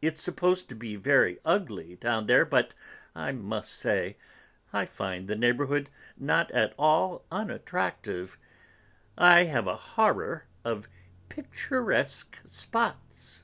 It's supposed to be very ugly down there, but I must say, I find the neighborhood not at all unattractive; I have a horror of 'picturesque spots'."